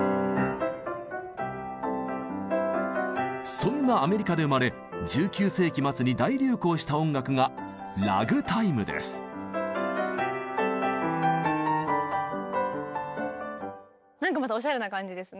そんなアメリカで生まれ１９世紀末に大流行した音楽がなんかまたおしゃれな感じですね。